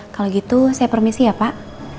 kalau gitu saya permisi ya pak